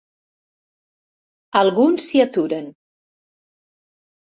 Alguns s'hi aturen.